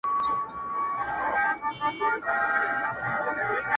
• د نیکه او د بابا په کیسو پايي,